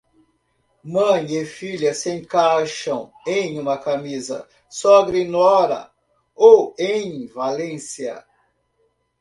Mãe e filha se encaixam em uma camisa; Sogra e nora, ou em Valência.